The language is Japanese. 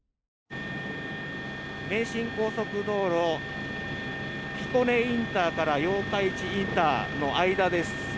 名神高速道路彦根インターから八日市インターの間です。